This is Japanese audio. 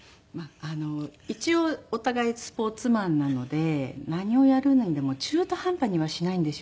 一応お互いスポーツマンなので何をやるのにでも中途半端にはしないんですよね。